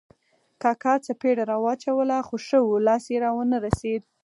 کاکا څپېړه را واچوله خو ښه وو، لاس یې را و نه رسېد.